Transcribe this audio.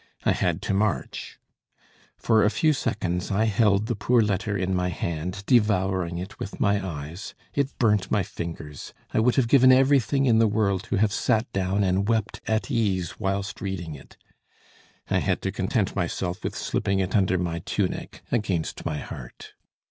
I had to march. For a few seconds I held the poor letter in my hand, devouring it with my eyes; it burnt my fingers; I would have given everything in the world to have sat down and wept at ease whilst reading it. I had to content myself with slipping it under my tunic against my heart.